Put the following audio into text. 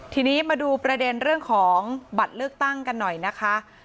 ทีนี้มาดูประเด็นเรื่องของบัตรเลือกตั้งกันหน่อยนะคะ